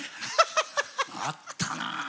あったな。